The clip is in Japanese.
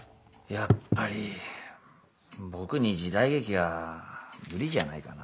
やっぱり僕に時代劇は無理じゃないかな。